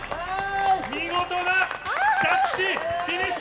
見事な着地、フィニッシュ！